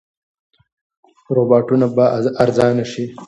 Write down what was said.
روباټونه به ارزانه شي.